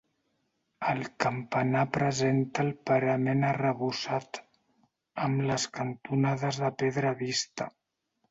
El campanar presenta el parament arrebossat, amb les cantonades de pedra vista.